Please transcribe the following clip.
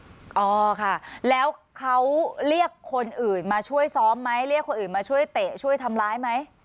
อ๋อค่ะแล้วเขาเรียกคนอื่นมาช่วยซ้อมไหมเรียกคนอื่นมาช่วยเตะช่วยทำร้ายไหม